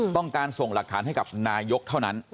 ต้องการส่งหลักฐานให้กับนายกเท่านั้น